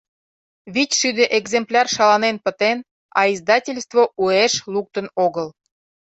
Вичшӱдӧ экземпляр шаланен пытен, а издательство уэш луктын огыл.